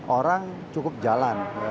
orang cukup jalan